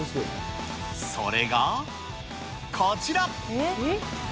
それがこちら。